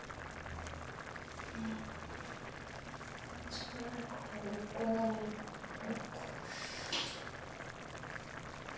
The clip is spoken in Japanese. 町内会の旅行に行ったのか。